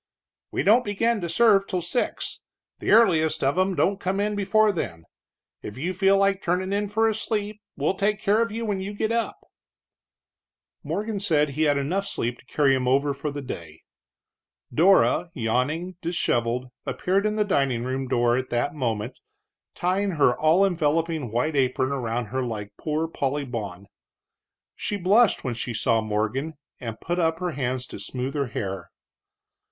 "We don't begin to serve till six, the earliest of 'em don't come in before then. If you feel like turnin' in for a sleep, we'll take care of you when you get up." Morgan said he had sleep enough to carry him over the day. Dora, yawning, disheveled, appeared in the dining room door at that moment, tying her all enveloping white apron around her like Poor Polly Bawn. She blushed when she saw Morgan, and put up her hands to smooth her hair.